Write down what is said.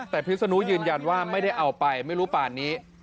แต่พิษนุยืนยันว่าไม่ได้เอาไปไม่รู้ป่านนี้